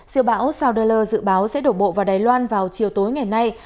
siêu bão sao đơ lơ dự báo sẽ đổ bộ vào đài loan vào chiều tối ngày nay